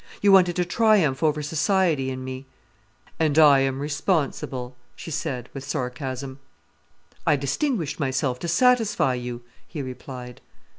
You wanted to triumph over society in me." "And I am responsible," she said, with sarcasm. "I distinguished myself to satisfy you," he replied.